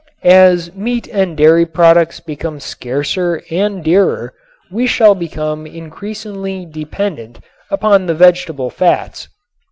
As meat and dairy products become scarcer and dearer we shall become increasingly dependent upon the vegetable fats.